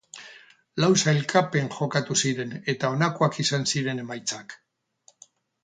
Lau sailkapen jokatu ziren eta honakoak izan ziren emaitzak.